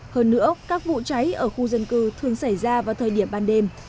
hơn nữa các vụ cháy ở khu dân cư thường xảy ra vào thời điểm ban đêm